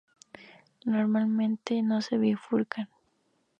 Normalmente no se bifurcan.